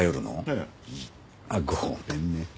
ええ。あっごめんね。